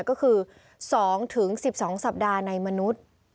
ก็คือ๒๑๒สัปดาห์ในมนุษย์